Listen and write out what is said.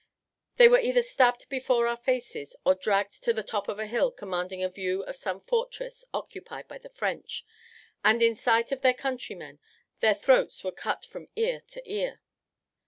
They were either stabbed before our faces, or dragged to the top of a hill commanding a view of some fortress occupied by the French, and, in sight of their countrymen, their throats were cut from ear to ear.